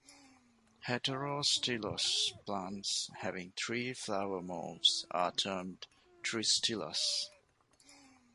Heterostylous plants having three flower morphs are termed "tristylous".